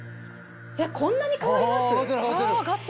こんなに変わります？